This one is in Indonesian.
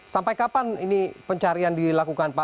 sampai kapan ini pencarian dilakukan pak